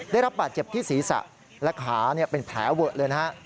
ได้รับบาดเจ็บที่ศีรษะและขาเป็นแผลเวอะเลยนะฮะ